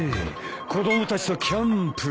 子供たちとキャンプか。